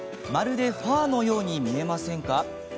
まるで、ファーのように見えませんか？